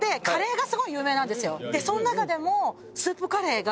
その中でも。